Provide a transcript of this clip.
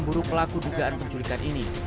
memburu pelaku dugaan penculikan ini